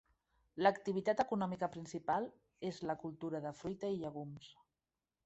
L'activitat econòmica principal és la cultura de fruita i llegums.